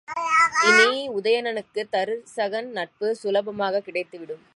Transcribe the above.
இனி உதயணனுக்குத் தருசகன் நட்பு சுலபமாகக் கிடைத்துவிடும்.